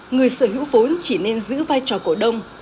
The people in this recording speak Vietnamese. người sở hữu vốn chỉ nên giữ vai trò cổ đông